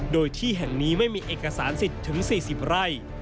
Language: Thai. โดยที่แห่งนี้ไม่มีเอกสารสิทธิ์ถึง๔๐ไร่